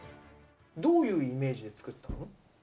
どういうイメージで作ったの？